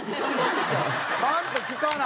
ちゃんと聞かな！